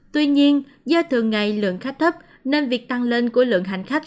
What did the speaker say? tuy nhiên do thường ngày lượng khách thấp nên việc tăng lên của lượng hành khách